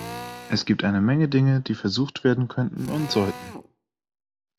Es gibt eine Menge Dinge, die versucht werden könnten und sollten.